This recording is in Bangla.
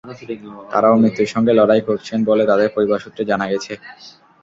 তাঁরাও মৃত্যুর সঙ্গে লড়াই করছেন বলে তাঁদের পরিবার সূত্রে জানা গেছে।